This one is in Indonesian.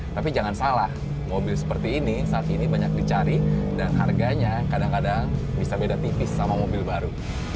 tapi jangan salah mobil seperti ini saat ini banyak dicari dan harganya kadang kadang bisa beda tipis sama mobil baru